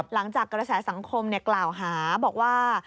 หลังจากกฤษสังคมเนี่ยกล่าวหาบอกว่า